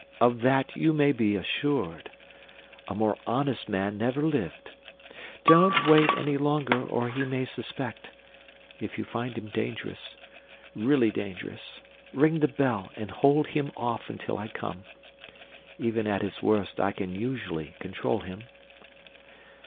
Of that you may be assured. A more honest man never lived. Don't wait any longer or he may suspect. If you find him dangerous really dangerous ring the bell and hold him off until I come. Even at his worst I can usually control him."